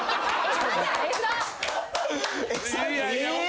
え！？